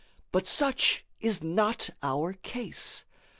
But such is not our case.